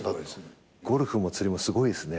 ゴルフも釣りもすごいですね。